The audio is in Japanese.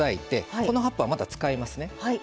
この葉っぱは、また使いますね。